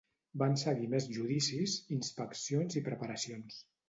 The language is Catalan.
Van seguir més judicis, inspeccions i preparacions.